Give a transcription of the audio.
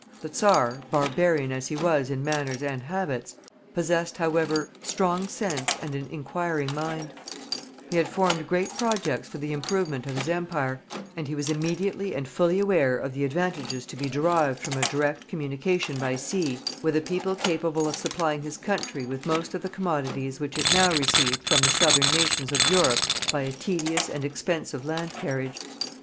The czar, barbarian as he was in manners and habits, possessed however strong sense and an inquiring mind; he had formed great projects for the improvement of his empire, and he was immediately and fully aware of the advantages to be derived from a direct communication by sea with a people capable of supplying his country with most of the commodities which it now received from the southern nations of Europe by a tedious and expensive land carriage.